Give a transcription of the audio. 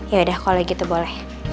yaudah kalo gitu boleh